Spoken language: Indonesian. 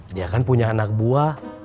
dia kan punya anak buah